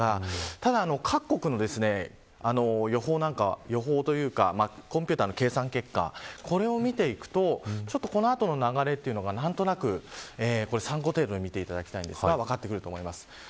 ただ、各国の予報なんか予報というか、コンピューターの計算結果を見ていくとこの後の流れが何となく参考程度に見ていただきたいんですが分かってくると思います。